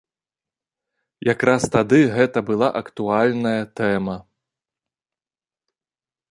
Якраз тады гэта была актуальная тэма.